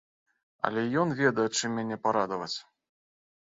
Але ён ведае, чым мяне парадаваць.